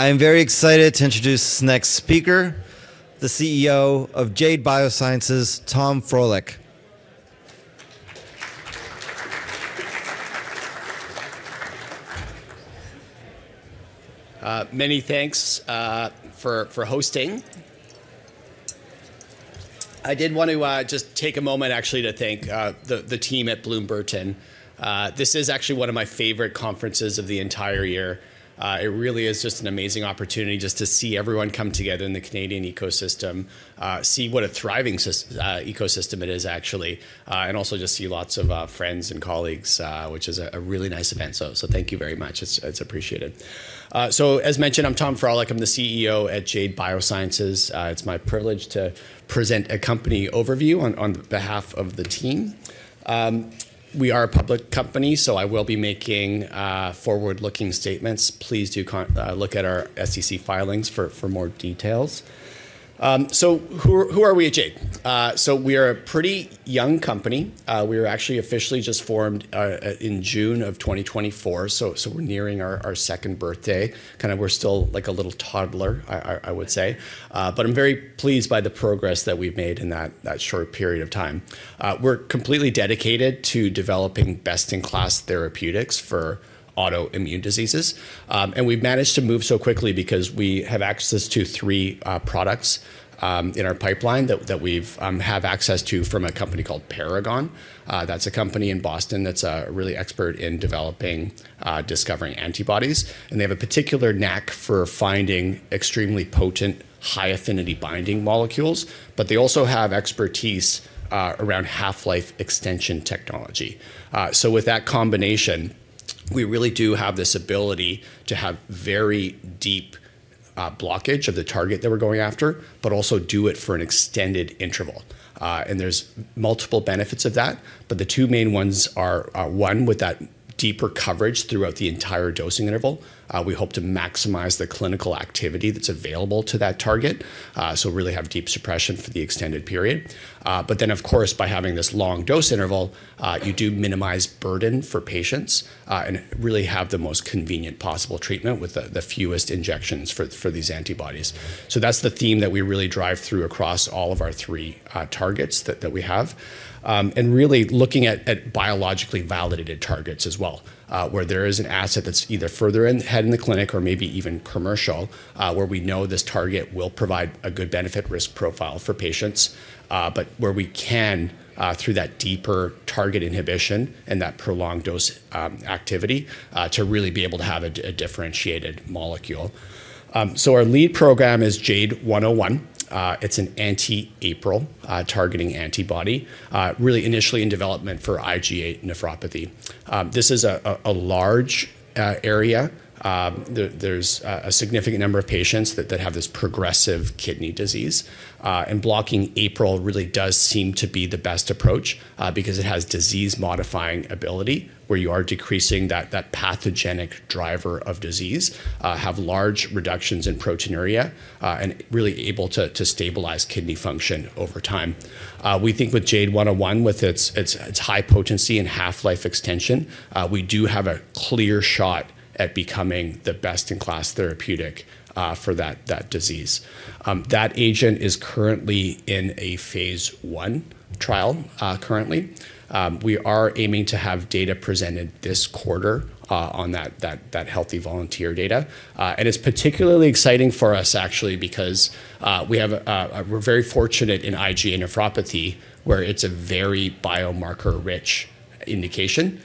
I am very excited to introduce this next speaker, the CEO of Jade Biosciences, Tom Frohlich. Many thanks for hosting. I did want to just take a moment actually to thank the team at Bloom Burton. This is actually one of my favorite conferences of the entire year. It really is just an amazing opportunity just to see everyone come together in the Canadian ecosystem, see what a thriving ecosystem it is, actually, and also just see lots of friends and colleagues, which is a really nice event. Thank you very much. It's appreciated. As mentioned, I'm Tom Frohlich. I'm the CEO at Jade Biosciences. It's my privilege to present a company overview on behalf of the team. We are a public company, so I will be making forward-looking statements. Please do look at our SEC filings for more details. Who are we at Jade? We are a pretty young company. We are actually officially just formed in June of 2024. We're nearing our second birthday. We're still like a little toddler, I would say. I'm very pleased by the progress that we've made in that short period of time. We're completely dedicated to developing best-in-class therapeutics for autoimmune diseases. We've managed to move so quickly because we have access to three products in our pipeline that we have access to from a company called Paragon. That's a company in Boston that's really expert in developing, discovering antibodies, and they have a particular knack for finding extremely potent, high-affinity binding molecules. They also have expertise around half-life extension technology. With that combination, we really do have this ability to have very deep blockage of the target that we're going after, but also do it for an extended interval. There's multiple benefits of that, but the two main ones are, one, with that deeper coverage throughout the entire dosing interval, we hope to maximize the clinical activity that's available to that target, so really have deep suppression for the extended period. Of course, by having this long dose interval, you do minimize burden for patients, and really have the most convenient possible treatment with the fewest injections for these antibodies. That's the theme that we really drive through across all of our three targets that we have, and really looking at biologically validated targets as well, where there is an asset that's either further ahead in the clinic or maybe even commercial, where we know this target will provide a good benefit-risk profile for patients, but where we can, through that deeper target inhibition and that prolonged dose activity, to really be able to have a differentiated molecule. Our lead program is JADE101. It's an anti-APRIL targeting antibody, really initially in development for IgA nephropathy. This is a large area. Blocking APRIL really does seem to be the best approach because it has disease-modifying ability, where you are decreasing that pathogenic driver of disease, have large reductions in proteinuria, and really able to stabilize kidney function over time. We think with JADE101, with its high potency and half-life extension, we do have a clear shot at becoming the best-in-class therapeutic for that disease. That agent is currently in a phase I trial currently. We are aiming to have data presented this quarter on that healthy volunteer data. It's particularly exciting for us actually, because we're very fortunate in IgA nephropathy, where it's a very biomarker-rich indication,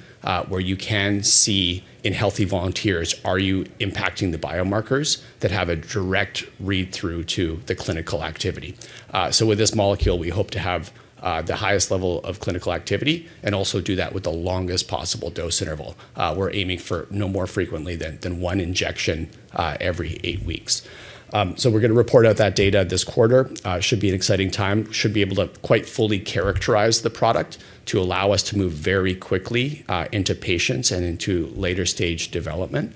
where you can see in healthy volunteers, are you impacting the biomarkers that have a direct read-through to the clinical activity? With this molecule, we hope to have the highest level of clinical activity and also do that with the longest possible dose interval. We're aiming for no more frequently than one injection every eight weeks. We're going to report out that data this quarter. Should be an exciting time. Should be able to quite fully characterize the product to allow us to move very quickly into patients and into later-stage development.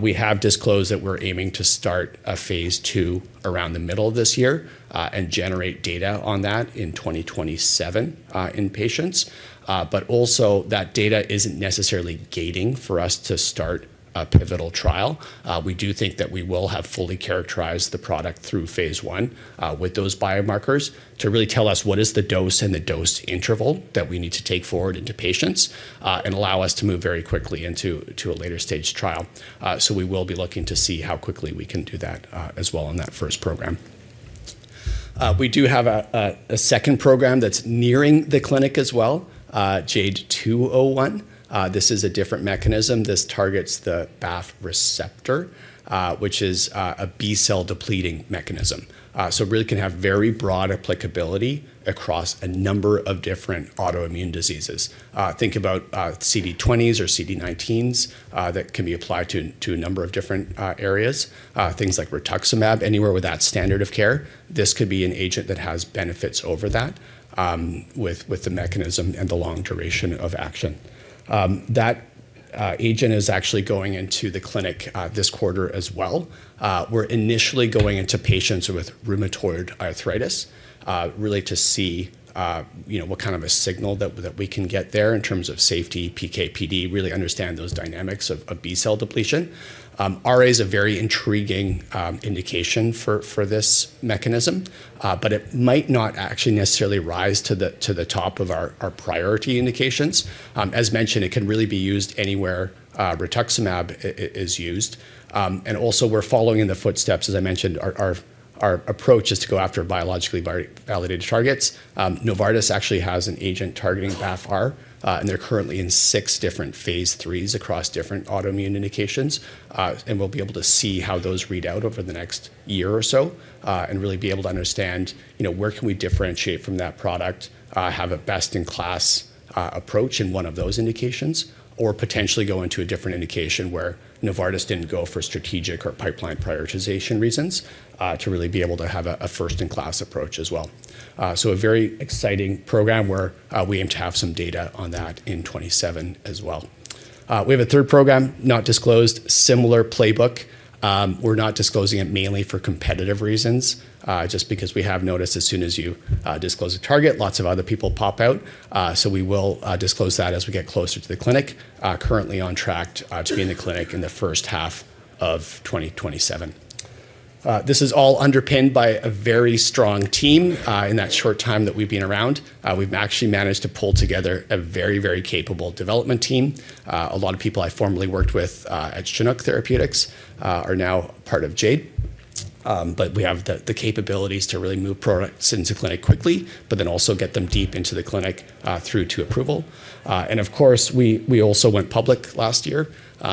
We have disclosed that we're aiming to start a phase II around the middle of this year and generate data on that in 2027 in patients. Also, that data isn't necessarily gating for us to start a pivotal trial. We do think that we will have fully characterized the product through phase I with those biomarkers to really tell us what is the dose and the dose interval that we need to take forward into patients and allow us to move very quickly into a later-stage trial. We will be looking to see how quickly we can do that as well in that first program. We do have a second program that's nearing the clinic as well, JADE201. This is a different mechanism. This targets the BAFF receptor, which is a B-cell depleting mechanism. It really can have very broad applicability across a number of different autoimmune diseases. Think about CD20s or CD19s that can be applied to a number of different areas. Things like rituximab, anywhere with that standard of care, this could be an agent that has benefits over that with the mechanism and the long duration of action. That agent is actually going into the clinic this quarter as well. We're initially going into patients with rheumatoid arthritis, really to see what kind of a signal that we can get there in terms of safety, PK/PD, really understand those dynamics of B-cell depletion. RA is a very intriguing indication for this mechanism, but it might not actually necessarily rise to the top of our priority indications. As mentioned, it can really be used anywhere rituximab is used. Also, we're following in the footsteps, as I mentioned, our approach is to go after biologically validated targets. Novartis actually has an agent targeting BAFF-R, and they're currently in 6 different phase IIIs across different autoimmune indications. We will be able to see how those read out over the next year or so, and really be able to understand where can we differentiate from that product, have a best-in-class approach in one of those indications, or potentially go into a different indication where Novartis didn't go for strategic or pipeline prioritization reasons, to really be able to have a first-in-class approach as well. A very exciting program where we aim to have some data on that in 2027 as well. We have a third program, not disclosed, similar playbook. We're not disclosing it mainly for competitive reasons, just because we have noticed as soon as you disclose a target, lots of other people pop out. We will disclose that as we get closer to the clinic, currently on track to be in the clinic in the first half of 2027. This is all underpinned by a very strong team. In that short time that we've been around, we've actually managed to pull together a very capable development team. A lot of people I formerly worked with at Chinook Therapeutics are now part of Jade. We have the capabilities to really move products into clinic quickly, but then also get them deep into the clinic through to approval. Of course, we also went public last year,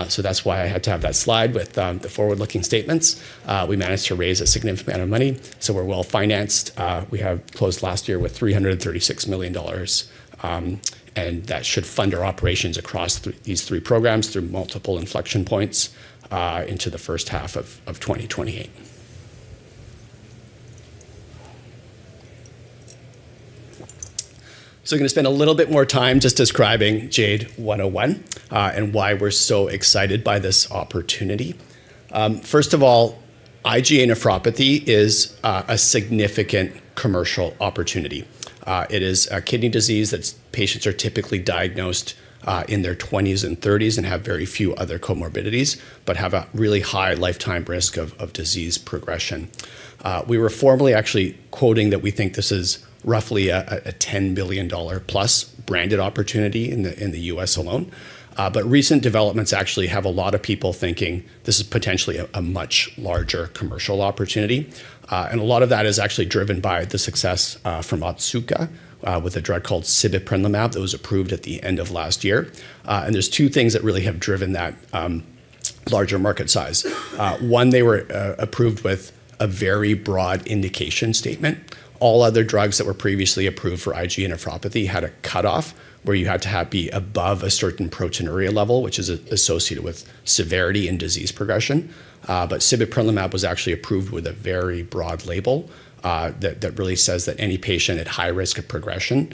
so that's why I had to have that slide with the forward-looking statements. We managed to raise a significant amount of money, so we're well-financed. We have closed last year with $336 million, and that should fund our operations across these three programs through multiple inflection points into the first half of 2028. Going to spend a little bit more time just describing JADE101, and why we're so excited by this opportunity. First of all, IgA nephropathy is a significant commercial opportunity. It is a kidney disease that patients are typically diagnosed in their 20s and 30s and have very few other comorbidities, but have a really high lifetime risk of disease progression. We were formerly actually quoting that we think this is roughly a $10 billion-plus branded opportunity in the U.S. alone. Recent developments actually have a lot of people thinking this is potentially a much larger commercial opportunity. A lot of that is actually driven by the success from Otsuka with a drug called sibeprenlimab that was approved at the end of last year. There's two things that really have driven that larger market size. One, they were approved with a very broad indication statement. All other drugs that were previously approved for IgA nephropathy had a cutoff where you had to be above a certain proteinuria level, which is associated with severity and disease progression. Sibeprenlimab was actually approved with a very broad label that really says that any patient at high risk of progression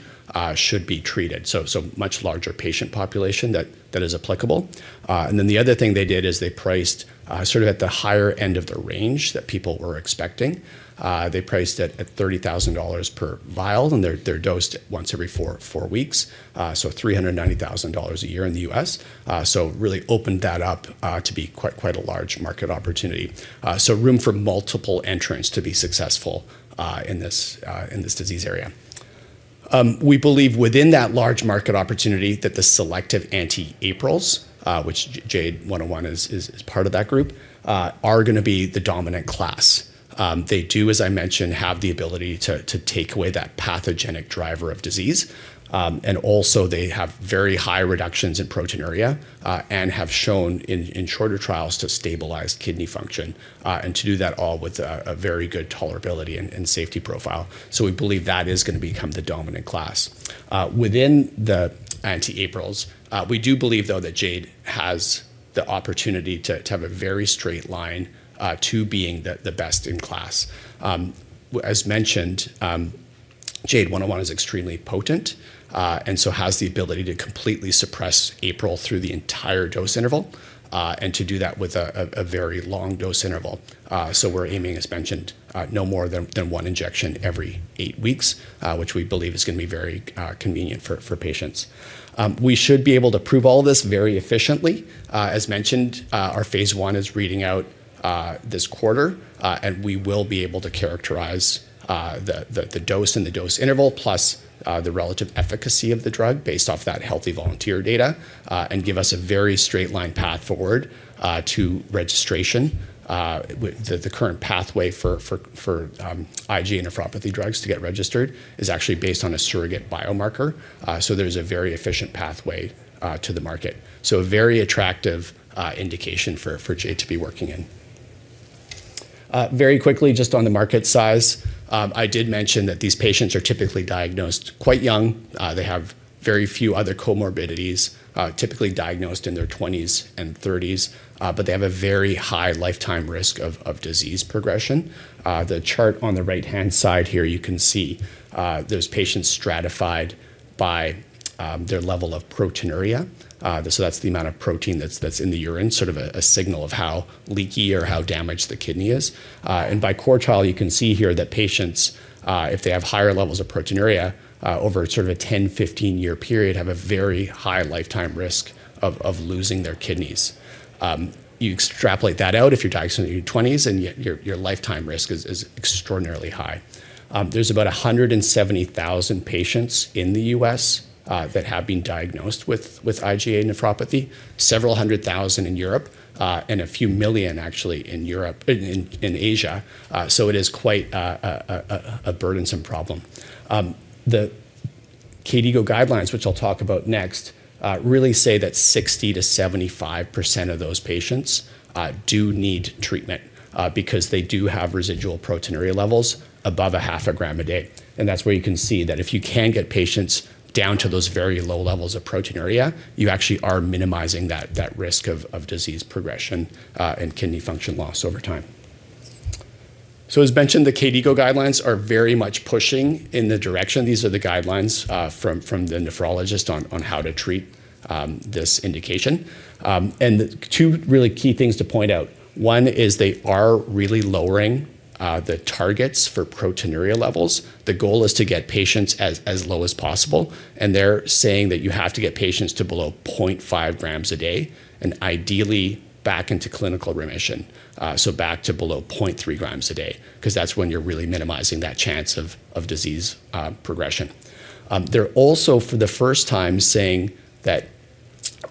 should be treated. Much larger patient population that is applicable. Then the other thing they did is they priced sort of at the higher end of the range that people were expecting. They priced it at $30,000 per vial, and they're dosed once every four weeks. $390,000 a year in the U.S. Really opened that up to be quite a large market opportunity. Room for multiple entrants to be successful in this disease area. We believe within that large market opportunity that the selective anti-APRILs, which JADE101 is part of that group, are going to be the dominant class. They do, as I mentioned, have the ability to take away that pathogenic driver of disease. Also they have very high reductions in proteinuria, and have shown in shorter trials to stabilize kidney function, and to do that all with a very good tolerability and safety profile. We believe that is going to become the dominant class. Within the anti-APRILs, we do believe, though, that JADE has the opportunity to have a very straight line to being the best in class. As mentioned, JADE101 is extremely potent, has the ability to completely suppress APRIL through the entire dose interval, and to do that with a very long dose interval. We're aiming, as mentioned, no more than one injection every eight weeks, which we believe is going to be very convenient for patients. We should be able to prove all this very efficiently. As mentioned, our phase I is reading out this quarter, we will be able to characterize the dose and the dose interval, plus the relative efficacy of the drug based off that healthy volunteer data, and give us a very straight line path forward to registration. The current pathway for IgA nephropathy drugs to get registered is actually based on a surrogate biomarker, there's a very efficient pathway to the market. A very attractive indication for JADE to be working in. Very quickly, just on the market size, I did mention that these patients are typically diagnosed quite young. They have very few other comorbidities, typically diagnosed in their 20s and 30s, they have a very high lifetime risk of disease progression. The chart on the right-hand side here, you can see those patients stratified by their level of proteinuria. That's the amount of protein that's in the urine, sort of a signal of how leaky or how damaged the kidney is. By cohort trial, you can see here that patients, if they have higher levels of proteinuria over sort of a 10, 15-year period, have a very high lifetime risk of losing their kidneys. You extrapolate that out if you're diagnosed in your 20s, your lifetime risk is extraordinarily high. There's about 170,000 patients in the U.S. that have been diagnosed with IgA nephropathy, several hundred thousand in Europe, and a few million actually in Asia. It is quite a burdensome problem. The KDIGO guidelines, which I'll talk about next, really say that 60%-75% of those patients do need treatment because they do have residual proteinuria levels above a half a gram a day. That's where you can see that if you can get patients down to those very low levels of proteinuria, you actually are minimizing that risk of disease progression and kidney function loss over time. As mentioned, the KDIGO guidelines are very much pushing in the direction. These are the guidelines from the nephrologist on how to treat this indication. Two really key things to point out. One is they are really lowering the targets for proteinuria levels. The goal is to get patients as low as possible. They're saying that you have to get patients to below 0.5 grams a day, and ideally back into clinical remission, so back to below 0.3 grams a day, because that's when you're really minimizing that chance of disease progression. They're also, for the first time, saying that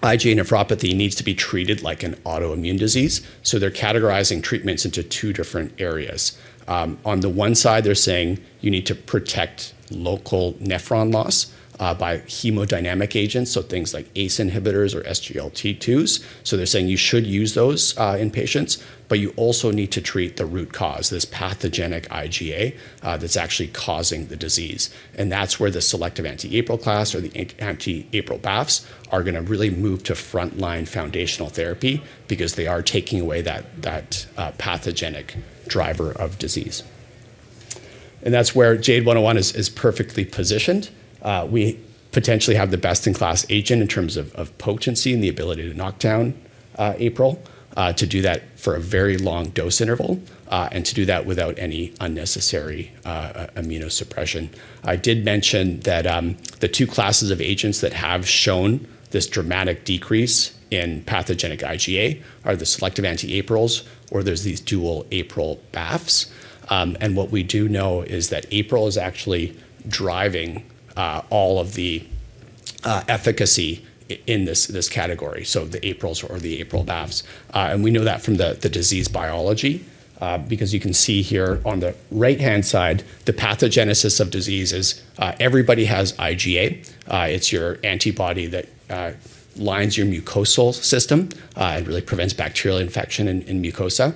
IgA nephropathy needs to be treated like an autoimmune disease. They're categorizing treatments into two different areas. On the one side, they're saying you need to protect local nephron loss by hemodynamic agents, so things like ACE inhibitors or SGLT2s. They're saying you should use those in patients, but you also need to treat the root cause, this pathogenic IgA that's actually causing the disease. That's where the selective anti-APRIL class or the anti-APRIL/BAFFs are going to really move to frontline foundational therapy because they are taking away that pathogenic driver of disease. That's where JADE101 is perfectly positioned. We potentially have the best-in-class agent in terms of potency and the ability to knock down APRIL, to do that for a very long dose interval, and to do that without any unnecessary immunosuppression. I did mention that the two classes of agents that have shown this dramatic decrease in pathogenic IgA are the selective anti-APRILs, or there's these dual APRIL/BAFFs. What we do know is that APRIL is actually driving all of the efficacy in this category. The APRILs or the APRIL/BAFFs. We know that from the disease biology because you can see here on the right-hand side, the pathogenesis of disease is everybody has IgA. It's your antibody that lines your mucosal system. It really prevents bacterial infection in mucosa.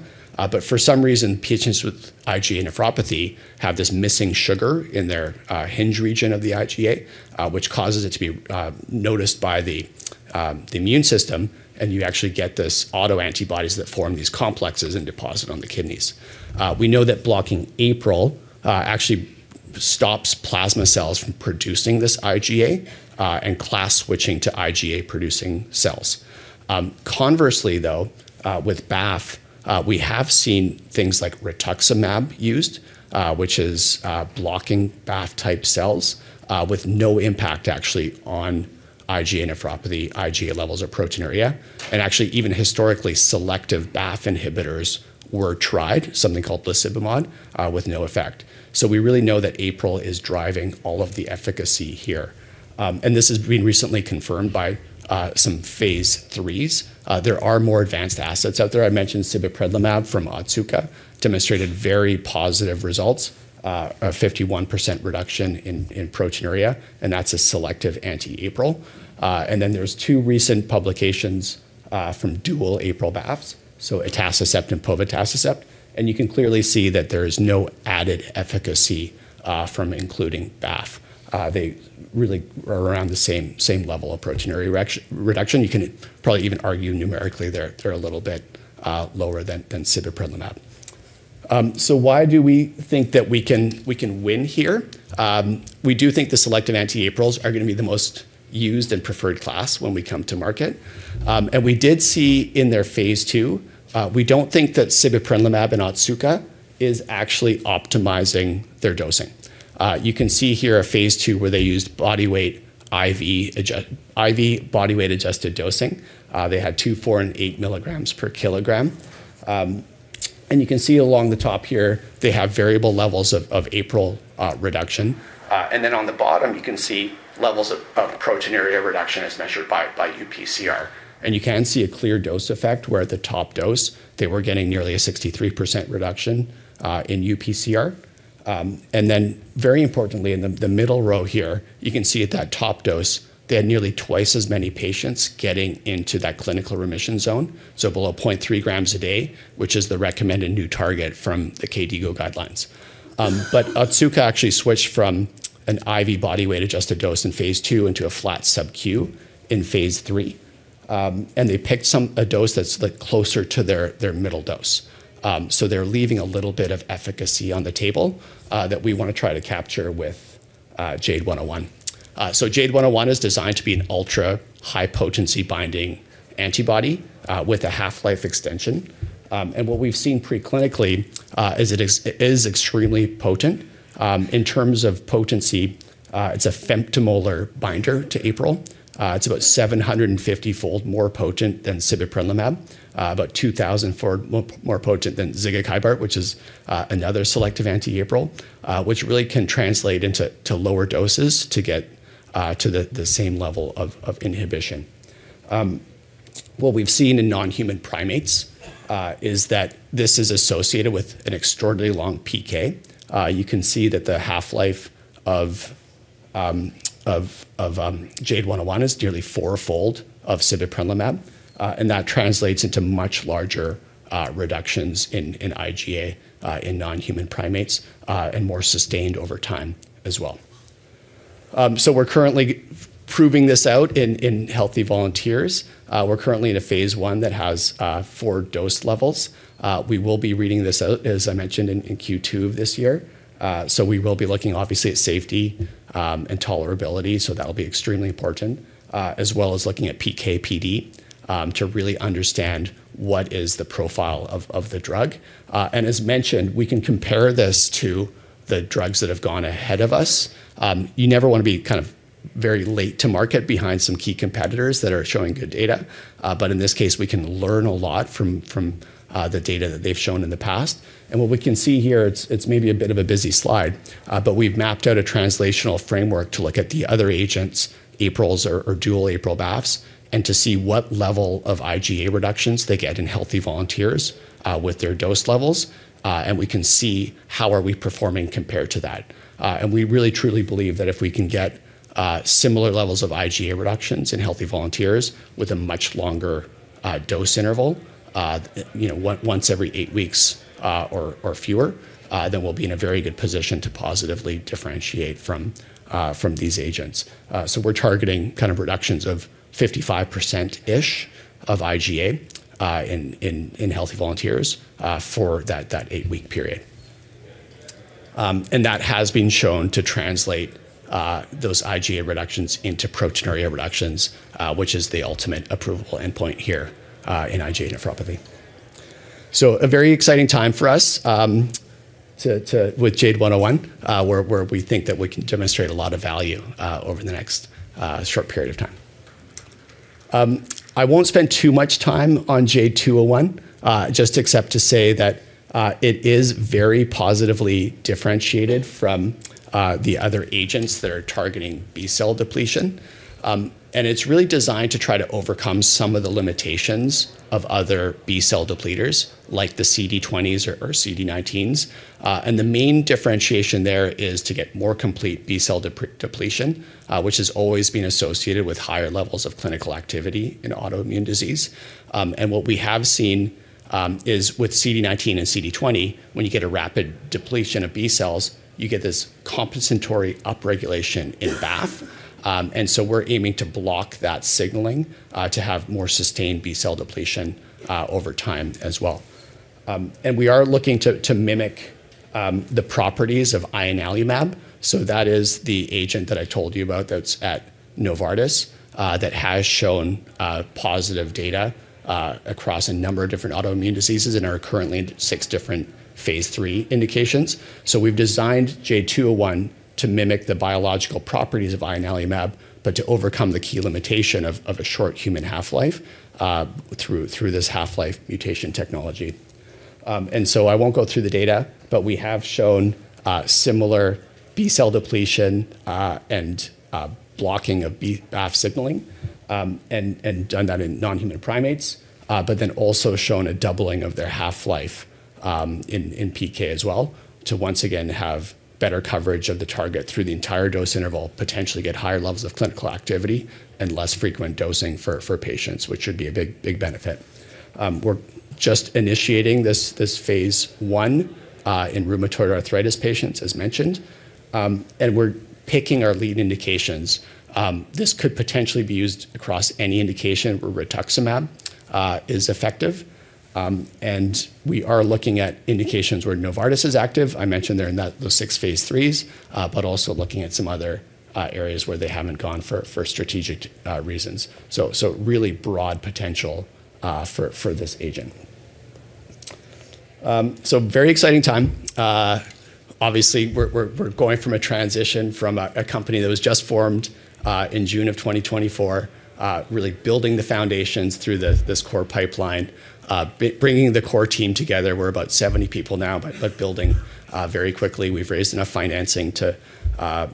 For some reason, patients with IgA nephropathy have this missing sugar in their hinge region of the IgA, which causes it to be noticed by the immune system, and you actually get these autoantibodies that form these complexes and deposit on the kidneys. We know that blocking APRIL actually stops plasma cells from producing this IgA and class switching to IgA-producing cells. Conversely though, with BAFF, we have seen things like rituximab used, which is blocking BAFF-type cells with no impact actually on IgA nephropathy, IgA levels, or proteinuria. Actually, even historically, selective BAFF inhibitors were tried, something called blisibimod, with no effect. We really know that APRIL is driving all of the efficacy here. This has been recently confirmed by some phase III. There are more advanced assets out there. I mentioned sibeprenlimab from Otsuka, demonstrated very positive results, a 51% reduction in proteinuria, and that's a selective anti-APRIL. Then there's two recent publications from dual APRIL/BAFFs, so atacicept and povetacicept. You can clearly see that there is no added efficacy from including BAFF. They really are around the same level of proteinuria reduction. You can probably even argue numerically they're a little bit lower than sibeprenlimab. Why do we think that we can win here? We do think the selective anti-APRILs are going to be the most used and preferred class when we come to market. We did see in their phase II, we don't think that sibeprenlimab in Otsuka is actually optimizing their dosing. You can see here a phase II where they used IV body weight-adjusted dosing. They had two, four, and eight milligrams per kilogram. You can see along the top here, they have variable levels of APRIL reduction. Then on the bottom, you can see levels of proteinuria reduction as measured by UPCR. You can see a clear dose effect where at the top dose, they were getting nearly a 63% reduction in UPCR. Then very importantly, in the middle row here, you can see at that top dose, they had nearly twice as many patients getting into that clinical remission zone, so below 0.3 grams a day, which is the recommended new target from the KDIGO guidelines. Otsuka actually switched from an IV body weight-adjusted dose in phase II into a flat sub Q in phase III. They picked a dose that's closer to their middle dose. They're leaving a little bit of efficacy on the table that we want to try to capture with JADE101. JADE101 is designed to be an ultra-high potency binding antibody with a half-life extension. What we've seen pre-clinically is it is extremely potent. In terms of potency, it's a femtomolar binder to APRIL. It's about 750-fold more potent than sibeprenlimab, about 2,000-fold more potent than zigakibart, which is another selective anti-APRIL, which really can translate into lower doses to get to the same level of inhibition. What we've seen in non-human primates is that this is associated with an extraordinarily long PK. You can see that the half-life of JADE101 is nearly four-fold of sibeprenlimab, and that translates into much larger reductions in IgA in non-human primates, and more sustained over time as well. We're currently proving this out in healthy volunteers. We're currently in a phase I that has 4 dose levels. We will be reading this out, as I mentioned, in Q2 of this year. We will be looking obviously at safety and tolerability, so that'll be extremely important, as well as looking at PK/PD to really understand what is the profile of the drug. As mentioned, we can compare this to the drugs that have gone ahead of us. You never want to be very late to market behind some key competitors that are showing good data. In this case, we can learn a lot from the data that they've shown in the past. What we can see here, it's maybe a bit of a busy slide, but we've mapped out a translational framework to look at the other agents, anti-APRILs or dual APRIL/BAFFs, and to see what level of IgA reductions they get in healthy volunteers with their dose levels. We can see how are we performing compared to that. We really truly believe that if we can get similar levels of IgA reductions in healthy volunteers with a much longer dose interval, once every 8 weeks or fewer, then we'll be in a very good position to positively differentiate from these agents. We're targeting reductions of 55%-ish of IgA in healthy volunteers for that 8-week period. That has been shown to translate those IgA reductions into proteinuria reductions, which is the ultimate approvable endpoint here in IgA nephropathy. A very exciting time for us with JADE101, where we think that we can demonstrate a lot of value over the next short period of time. I won't spend too much time on JADE201, just except to say that it is very positively differentiated from the other agents that are targeting B-cell depletion. It's really designed to try to overcome some of the limitations of other B-cell depleters, like the CD20s or CD19s. The main differentiation there is to get more complete B-cell depletion, which has always been associated with higher levels of clinical activity in autoimmune disease. What we have seen is with CD19 and CD20, when you get a rapid depletion of B cells, you get this compensatory upregulation in BAFF. We're aiming to block that signaling to have more sustained B-cell depletion over time as well. We are looking to mimic the properties of ianalumab. That is the agent that I told you about that's at Novartis, that has shown positive data across a number of different autoimmune diseases and are currently in 6 different phase III indications. We've designed JADE201 to mimic the biological properties of ianalumab, but to overcome the key limitation of a short human half-life through this half-life mutation technology. I won't go through the data, but we have shown similar B-cell depletion and blocking of BAFF signaling, and done that in non-human primates. Also shown a doubling of their half-life in PK as well, to once again have better coverage of the target through the entire dose interval, potentially get higher levels of clinical activity and less frequent dosing for patients, which would be a big benefit. We're just initiating this phase I in rheumatoid arthritis patients, as mentioned, we're picking our lead indications. This could potentially be used across any indication where rituximab is effective. We are looking at indications where Novartis is active. I mentioned they're in those 6 phase IIIs, also looking at some other areas where they haven't gone for strategic reasons. Really broad potential for this agent. Very exciting time. Obviously, we're going from a transition from a company that was just formed in June of 2024, really building the foundations through this core pipeline, bringing the core team together. We're about 70 people now, but building very quickly. We've raised enough financing to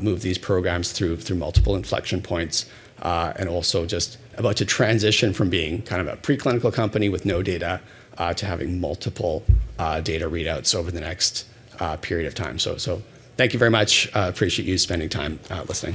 move these programs through multiple inflection points. Also just about to transition from being a preclinical company with no data to having multiple data readouts over the next period of time. Thank you very much. Appreciate you spending time listening.